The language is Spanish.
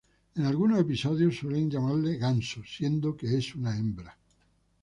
En algunos episodios suelen llamarle "Ganso", siendo que es una hembra.